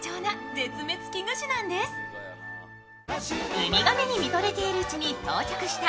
ウミガメに見とれているうちに到着した